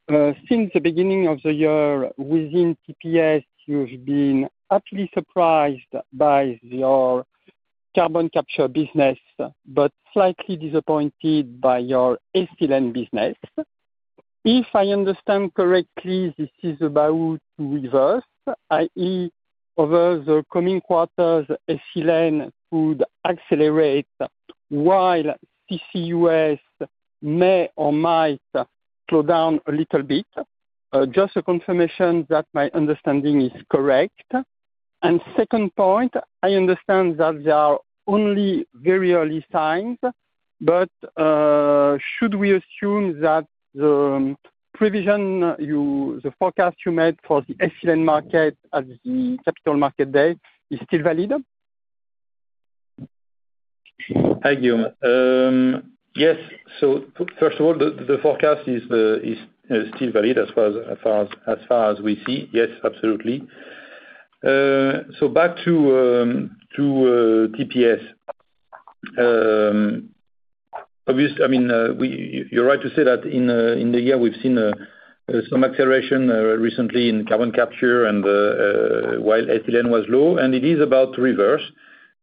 since the beginning of the year within TPS you've been surprised by your carbon capture business but slightly disappointed by your ethylene business. If I understand correctly, this is about to reverse, i.e. over the coming quarters, ethylene could accelerate while CCUs may or might slow down a little bit. Just a confirmation that my understanding is correct. Second point, I understand that they are only very early signs, but should. We assume that the provision, the forecast. you made for the ethylene market at the Capital Market Day still valid? Hi Guillaume. Yes, first of all, the forecast is still valid as far as we see. Yes, absolutely. Back to TPS, obviously. You're right to say that in the year we've seen some acceleration recently in carbon capture, and while ethylene was low, it is about to reverse.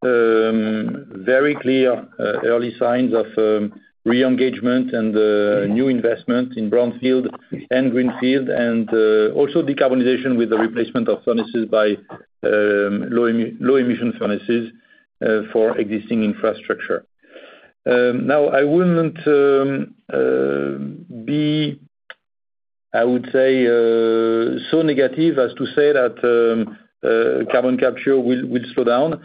Very clear early signs of re-engagement and new investment in brownfield and greenfield, and also decarbonization with the replacement of furnaces by low-emission furnaces for existing infrastructure. Now, I wouldn't be, I would say, so negative as to say that carbon capture will slow down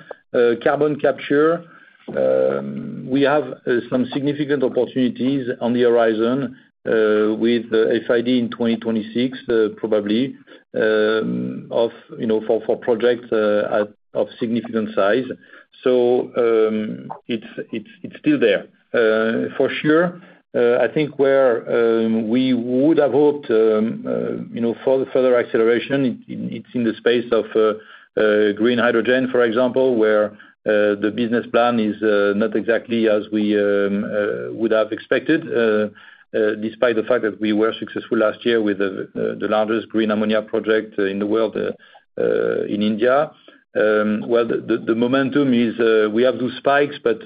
carbon capture. We have some significant opportunities on the horizon with FID in 2026, probably. For. Projects of significant size. It's still there for sure. I think where we would have hoped for further acceleration is in the space of green hydrogen, for example, where the business plan is not exactly as we would have expected, despite the fact that we were successful last year with the largest green ammonia project in the world, in India. The momentum is we have those spikes, but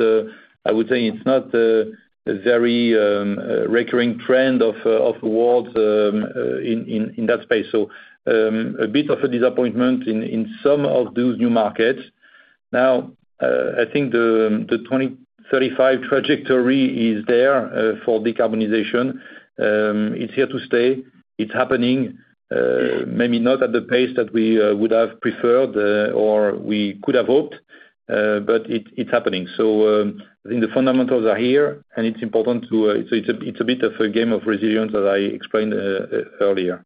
I would say it's not a very recurring trend of awards in that space. A bit of a disappointment in some of those new markets now. I think the 2035 trajectory is there for decarbonization. It's here to stay. It's happening, maybe not at the pace that we would have preferred or we could have hoped, but it's happening. I think the fundamentals are here and it's important to. It's a bit of a game of resilience, as I explained earlier.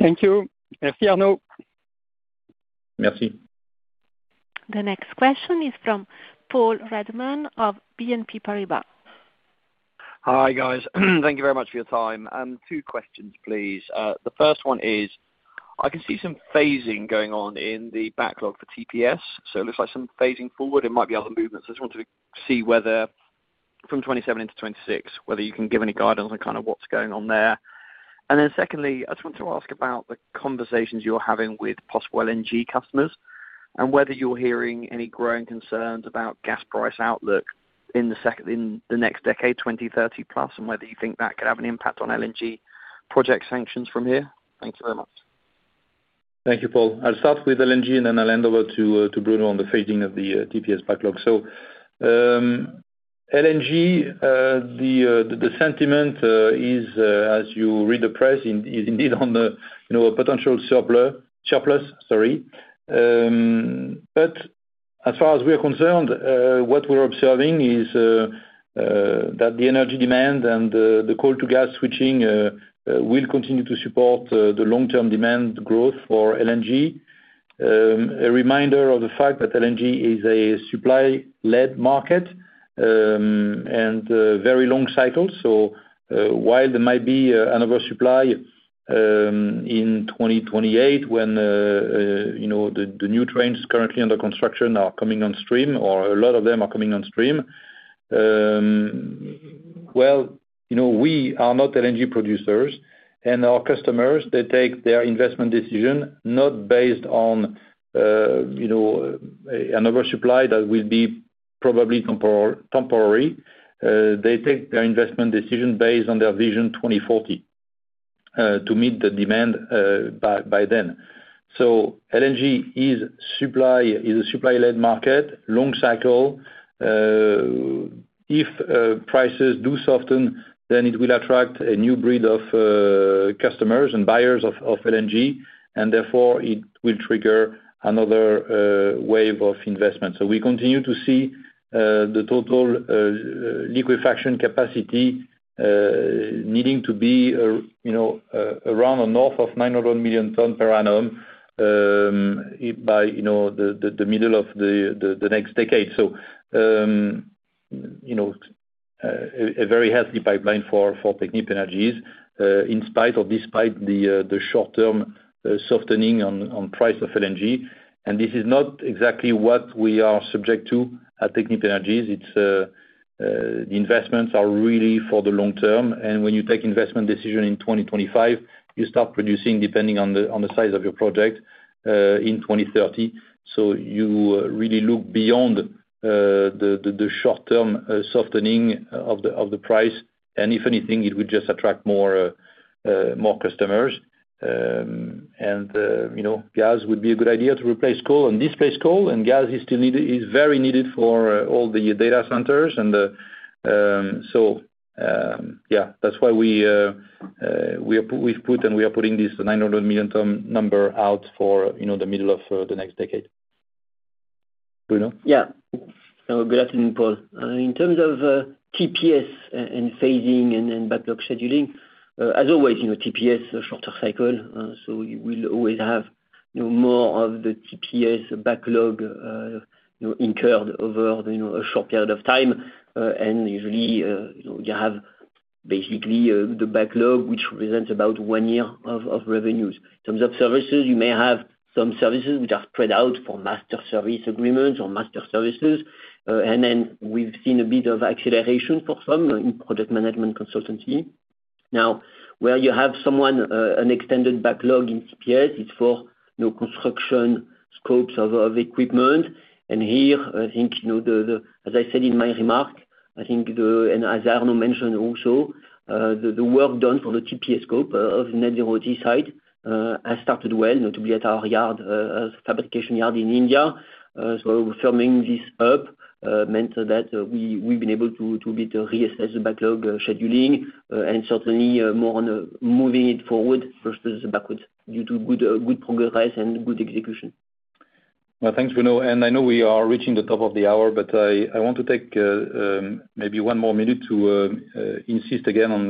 Thank you. Merci, Arnaud. Merci. The next question is from Paul Redman of BNP Paribas. Hi guys. Thank you very much for your time. Two questions, please. The first one is I can see. some phasing going on in the backlog for TPS. It looks like some phasing forward, it might be other movements. I just wanted to see whether from 2027 into 2026, whether you can give any guidance on kind of what's going on there. Secondly, I want to ask. About the conversations you're having with possible. LNG customers and whether you're hearing any. Growing concerns about gas price outlook. The second in the next decade, 2030. Plus, and whether you think that could have an impact on LNG project sanctions from here. Thank you very much. Thank you, Paul. I'll start with LNG and then I'll hand over to Bruno on the phasing of the TPS backlog. So LNG, the sentiment is, as you read, the press is indeed on a potential surplus. As far as we are concerned, what we're observing is that the energy demand and the coal to gas switching will continue to support the long-term demand growth for LNG. A reminder of the fact that LNG is a supply-led market and very long cycle. While there might be an oversupply in 2028, when the new trains currently under construction are coming on stream, or a lot of them are coming on stream, we are not LNG producers and our customers, they take their investment decision not based on an oversupply that will be probably temporary. They take their investment decision based on their vision 2040 to meet the demand by then. LNG is a supply-led market, long cycle. If prices do soften, it will attract a new breed of customers and buyers of LNG and therefore it will trigger another wave of investment. We continue to see the total liquefaction capacity needing to be around the north of 900 million tonnes per annum by the middle of the next decade. So. A very healthy pipeline for Technip Energies in spite or despite the short-term softening on price of LNG. This is not exactly what we are subject to at Technip Energies. The investments are really for the long term, and when you take investment decision in 2025, you start producing depending on the size of your project in 2030. You really look beyond the short-term softening of the price, and if anything, it would just attract more, more customers, and you know, gas would be a good idea to replace coal and displace coal, and gas is still needed, is very needed for all the data centers. That's why we've put, and we are putting this 900 million ton number out for, you know, the middle of the next decade. Bruno? Yeah, good afternoon Paul. In terms of TPS and phasing and backlog scheduling, as always, TPS is shorter cycle, so you will always have more of the TPS backlog incurred over a short period of time, and usually you have basically the backlog which represents about one year of revenues. In terms of services, you may have some services which are spread out for master service agreements or master services. We've seen a bit of acceleration for some in project management now where you have an extended backlog in TPS. It's for construction scopes of equipment, and here I think, as I said in my remark, I think, and as Arnaud mentioned also, the work done for the TPS scope of Net Zero Teesside has started well, notably at our fabrication yard in India. Firming this up meant that we've been able to reassess the backlog scheduling and certainly more on moving it forward versus backwards due to good progress and good execution. Thank you, Bruno. I know we are reaching the top of the hour, but I want to take maybe one more minute to insist again on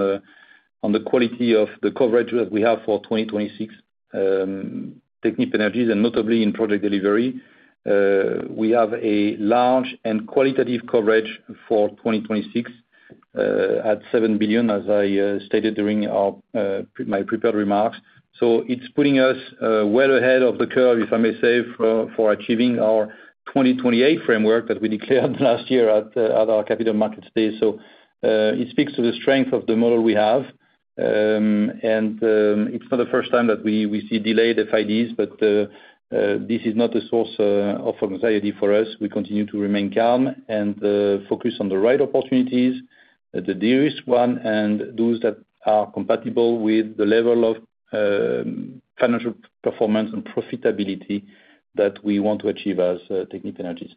the quality of the coverage that we have for 2026 Technip Energies, and notably in Project Delivery we have a large and qualitative coverage for 2026 at 7 billion, as I stated during my prepared remarks. It's putting us well ahead of the curve, if I may say, for achieving our 2028 framework that we declared last year at our Capital Markets Day. It speaks to the strength of the model we have. It's not the first time that we see delayed FIDs. This is not a source of anxiety for us. We continue to remain calm and focus on the right opportunities, the de-risked ones, and those that are compatible with the level of financial performance and profitability that we want to achieve as Technip Energies.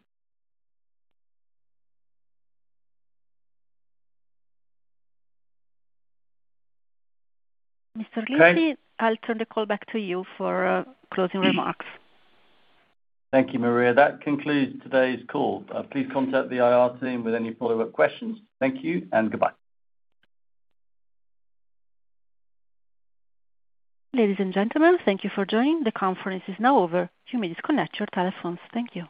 I'll turn the call back to you for closing remarks. Thank you, Maria. That concludes today's call. Please contact the IR team with any follow up questions. Thank you and goodbye. Ladies and gentlemen, thank you for joining. The conference is now over. You may disconnect your telephones. Thank you.